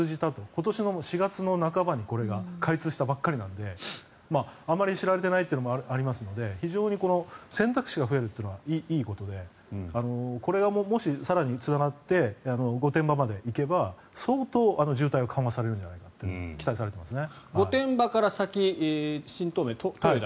今年の４月半ばにこれが開通したばかりなのであまり知られていないというのもありますので非常に選択肢が増えるというのはいいことでこれがもし、つながって御殿場まで行けば相当、渋滞は緩和されるんじゃないかと期待されていますね。